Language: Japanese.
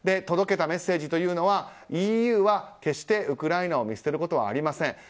届けたメッセージはＥＵは決してウクライナを見捨てることはありません。